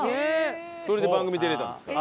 それで番組出られたんですから。